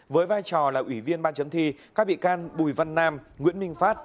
với vai trò là ủy viên ban chấm thi các bị can bùi văn nam nguyễn minh phát